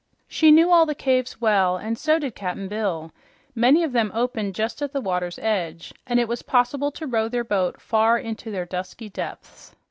She knew all the caves well, and so did Cap'n Bill. Many of them opened just at the water's edge, and it was possible to row their boat far into their dusky depths.